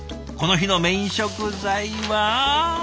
この日のメイン食材は？